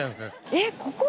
えっここ？